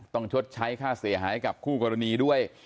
ชดใช้ค่าเสียหายกับคู่กรณีด้วย